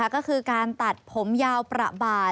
ก็คือการตัดผมยาวประบาด